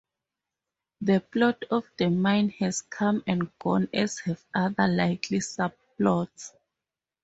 The plot of the mine has come and gone as have other likely subplots.